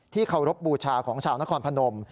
เคารพบูชาของชาวนครพนม